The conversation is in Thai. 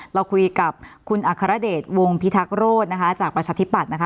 เราคุยกับคุณอัครเดชวงพิทักษ์โรธนะคะจากประชาธิปัตยนะคะ